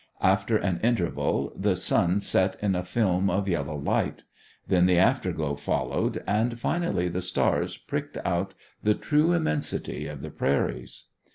After an interval the sun set in a film of yellow light; then the afterglow followed; and finally the stars pricked out the true immensity of the prairies.